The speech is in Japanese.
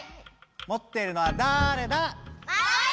持っているのはだれだ？